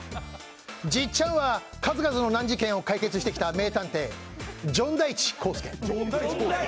じっちゃんは数々の難事件を解決してきたジョン田一耕助。